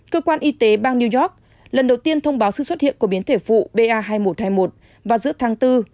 cơ quan y tế bang new york lần đầu tiên thông báo sự xuất hiện của biến thể phụ ba hai nghìn một trăm hai mươi một vào giữa tháng bốn